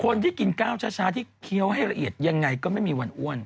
คนที่กินก้าวช้าที่เคี้ยวให้ละเอียดยังไงก็ไม่มีวันอ้วน